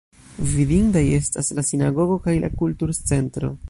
Vidindaj estas la Sinagogo kaj la Kulturcentro.